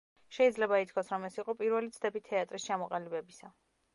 შეიძლება ითქვას, რომ ეს იყო პირველი ცდები თეატრის ჩამოყალიბებისა.